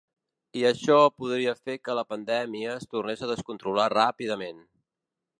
I això podria fer que la pandèmia es tornés a descontrolar ràpidament.